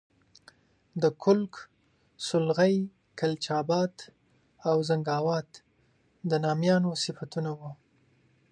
د کُلک، سولغی، کلچ آباد او زنګاوات د نامیانو صفتونه وو.